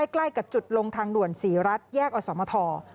ใกล้กับจุดลงทางด่วนศรีรัฐแยกอสมท